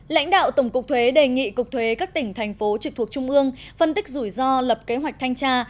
lãnh đạo tổng cục thuế đề nghị cục thuế các tỉnh thành phố trực thuộc trung ương phân tích rủi ro lập kế hoạch thanh tra